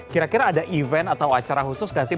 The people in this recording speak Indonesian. kira kira ada event atau acara khusus nggak sih